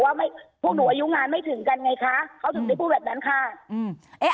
ว่าพวกหนูอายุงานไม่ถึงกันไงคะเขาถึงได้พูดแบบนั้นค่ะอืมเอ๊ะ